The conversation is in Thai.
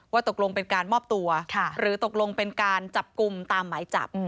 ตกลงเป็นการมอบตัวหรือตกลงเป็นการจับกลุ่มตามหมายจับ